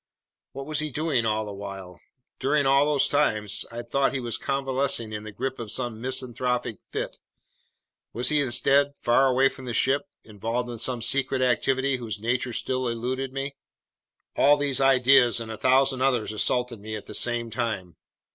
What was he doing all the while? During all those times I'd thought he was convalescing in the grip of some misanthropic fit, was he instead far away from the ship, involved in some secret activity whose nature still eluded me? All these ideas and a thousand others assaulted me at the same time.